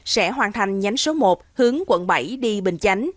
sẽ hoàn thành nhánh số một hướng quận bảy đi bình chánh